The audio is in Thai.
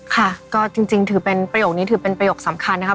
ค่ะก็จริงถือเป็นประโยคนี้ถือเป็นประโยคสำคัญนะคะ